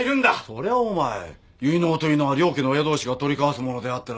そりゃお前結納というのは両家の親同士が取り交わすものであってだな。